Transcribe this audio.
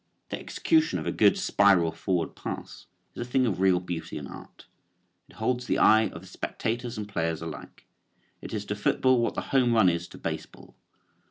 The execution of a good spiral forward pass is a thing of real beauty and art. It holds the eye of spectators and players alike. It is to football what the home run is to baseball.